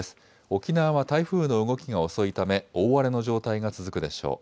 沖縄は台風の動きが遅いため大荒れの状態が続くでしょう。